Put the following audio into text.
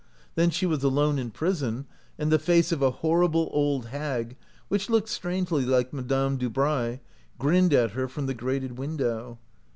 Then she was alone in prison, and the face of a horrible old hag, which looked strangely like Madame Dubray, grinned at her from the grated window.